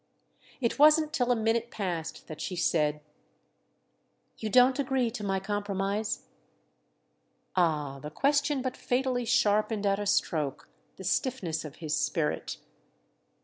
It wasn't till a minute passed that she said: "You don't agree to my compromise?" Ah, the question but fatally sharpened at a stroke the stiffness of his spirit.